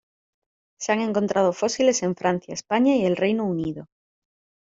Se han encontrado fósiles en Francia, España y el Reino Unido.